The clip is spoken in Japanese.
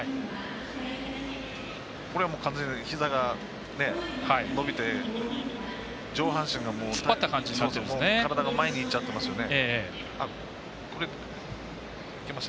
これは、ひざが伸びて上半身が体が前にいっちゃってますね。